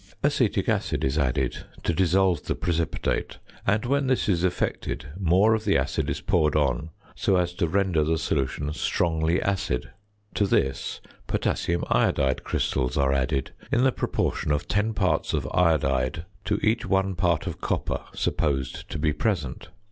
Acetic acid is added to dissolve the precipitate, and when this is effected more of the acid is poured on so as to render the solution strongly acid. To this potassium iodide crystals are added in the proportion of ten parts of iodide to each one part of copper supposed to be present.